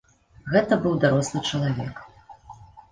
Гэта быў дарослы чалавек.